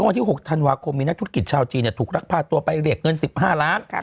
วันที่๖ธันวาคมมีนักธุรกิจชาวจีนถูกรักพาตัวไปเรียกเงิน๑๕ล้าน